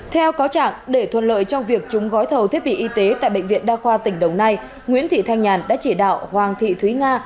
theo cáo trạng để thuận lợi cho việc trúng gói thầu thiết bị y tế tại bệnh viện đa khoa tỉnh đồng nai nguyễn thị thanh nhàn đã chỉ đạo hoàng thị thúy nga